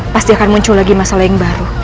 pasti akan muncul lagi masalah yang baru